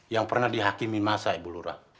yang pernah dihakimi masai bu lurah